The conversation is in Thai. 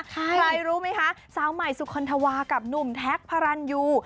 ใครรู้ไหมคะสาวใหม่สุคลธวากับหนุ่มแท็กพระรันยู